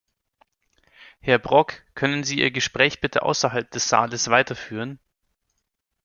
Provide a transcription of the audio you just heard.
Herr Brok, können Sie ihr Gespräch bitte außerhalb des Saales weiterführen?